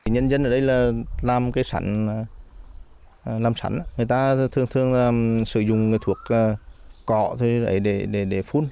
nhân dân ở đây làm sẵn người ta thường thường sử dụng thuộc cọ để phun